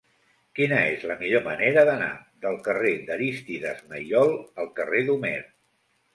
Quina és la millor manera d'anar del carrer d'Arístides Maillol al carrer d'Homer?